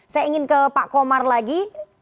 saya ingin ke pak komar lagi